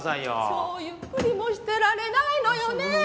そうゆっくりもしてられないのよね。